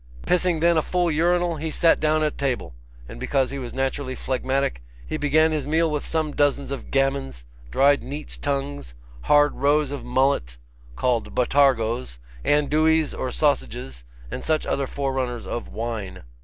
Pissing then a full urinal, he sat down at table; and because he was naturally phlegmatic, he began his meal with some dozens of gammons, dried neat's tongues, hard roes of mullet, called botargos, andouilles or sausages, and such other forerunners of wine.